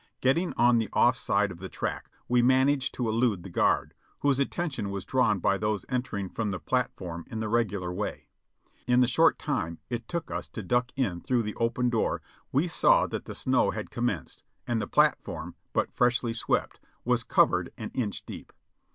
Getting on the off side of the track, we managed to elude the guard, whose attention was drawn by those entering from the platform in the regular way. In the short time it took us to duck in through the open door we saw that the snow had commenced, and the platform, but freshly swept, was covered an inch deep.